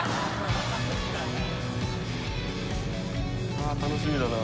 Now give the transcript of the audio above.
あ楽しみだな。